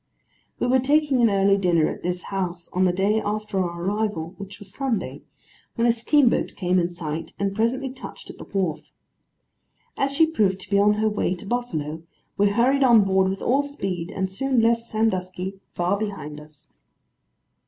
We were taking an early dinner at this house, on the day after our arrival, which was Sunday, when a steamboat came in sight, and presently touched at the wharf. As she proved to be on her way to Buffalo, we hurried on board with all speed, and soon left Sandusky far behind us.